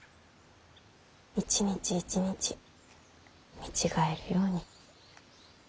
一日一日見違えるように。